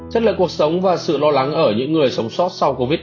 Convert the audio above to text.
chất lượng cuộc sống và sự lo lắng ở những người sống sót sau covid một mươi